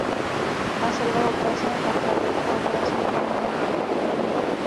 Následovala Operace Makabi a Operace Bin Nun.